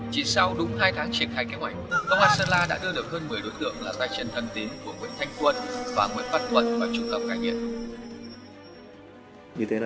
chỉ sau đúng hai tháng triển khai kế hoạch công an sơn la đã đưa được hơn một mươi đối tượng là giai trình thân tín của nguyễn thanh quân và nguyễn phát quân vào trung tâm cải nghiệm